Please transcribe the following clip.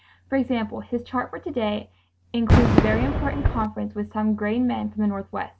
"For example, his chart for to day includes a very important conference with some grain men from the Northwest